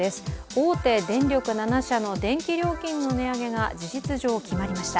大手電力７社の電気料金の値上げが事実上、決まりました。